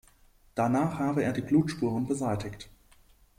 Danach habe er die Blutspuren beseitigt.